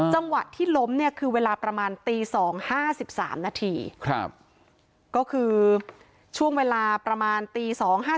จังหวะที่ล้มเนี่ยคือเวลาประมาณตี๒๕๓นาทีก็คือช่วงเวลาประมาณตี๒๕๓